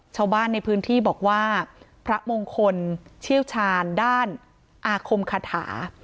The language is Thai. ชาวบ้านในพื้นที่บอกว่าพระมงคลเชี่ยวชาญด้านอาคมคาถา